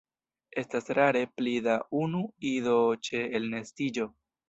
Estas rare pli da unu ido ĉe elnestiĝo.